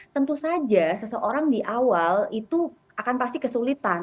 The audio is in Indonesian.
tentu saja seseorang di awal itu akan pasti kesulitan